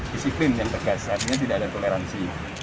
disiplin yang terkasatnya tidak ada toleransi